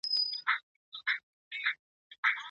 ولي تر ټولو لایق کسان کله ناکله شاته پاته کیږي؟